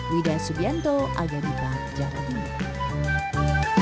widah subianto aga dipak jawa timur